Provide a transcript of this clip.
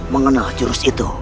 mengenal jurus ini